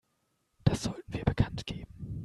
Das sollten wir bekanntgeben.